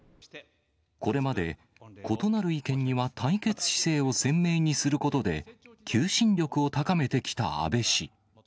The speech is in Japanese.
これまで、異なる意見には対決姿勢を鮮明にすることで、求心力を高めてきた安倍氏。